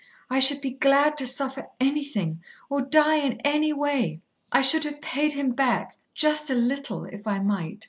I should be glad to suffer anything, or die in any way. I should have paid him back just a little if I might."